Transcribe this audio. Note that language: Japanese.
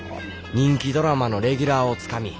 人気ドラマのレギュラーをつかみ